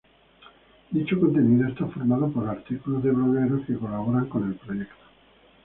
Dicho contenido está formado por artículos de blogueros que colaboran con el proyecto.